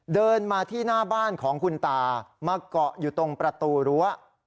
เดินมาที่หน้าบ้านของคุณตามาเกาะอยู่ตรงประตูรั้ว